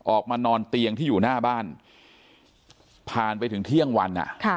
ออกมานอนเตียงที่อยู่หน้าบ้านผ่านไปถึงเที่ยงวัน